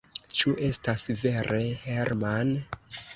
Ĉu estas vere, Herman?